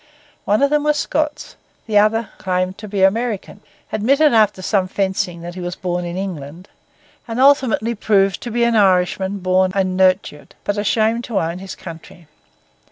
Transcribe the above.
One of them was Scots; the other claimed to be American; admitted, after some fencing, that he was born in England; and ultimately proved to be an Irishman born and nurtured, but ashamed to own his country.